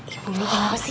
ibu lo kena apa sih